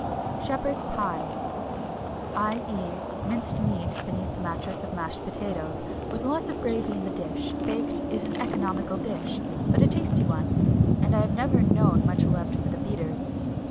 Shepherd's Pie, i.e. minced meat beneath a mattress of mashed potatoes, with lots of gravy in the dish, baked, is an economical dish, but a tasty one; and I have never known much left for the beaters.